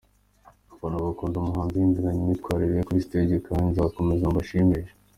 Abafana bakunda umuhanzi uhinduranya imyitwarire ye kuri stage kandi nzakomeza mbashimishe.